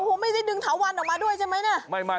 โอ้โหไม่ได้ดึงถาวันออกมาด้วยใช่ไหมเนี่ย